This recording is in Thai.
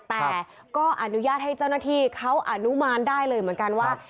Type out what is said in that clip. แต่ก็อนุญาตให้เจ้าหน้าที่เขาอนุมานได้เลยเหมือนกันว่า